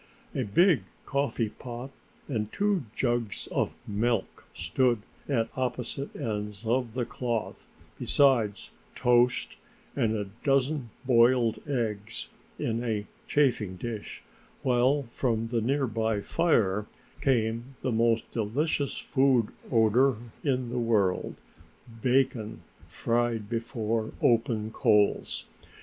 A big coffee pot and two jugs of milk stood at opposite ends of the cloth besides toast and a dozen boiled eggs in a chafing dish, while from the nearby fire came the most delicious food odor in the world: bacon fried before open coals.